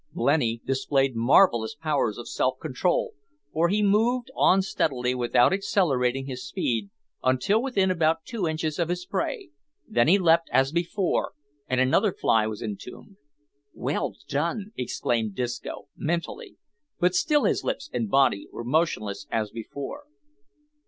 Blenny displayed marvellous powers of self control, for he moved on steadily without accelerating his speed until within about two inches of his prey then he leapt as before, and another fly was entombed. "Well done!" exclaimed Disco, mentally, but still his lips and body were motionless as before.